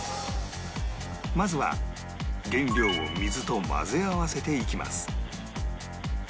まずは原料を水と混ぜ合わせていきます